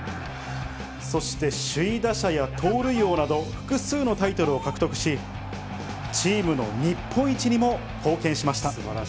そして首位打者や盗塁王など、複数のタイトルを獲得し、チームの日本一にも貢献しました。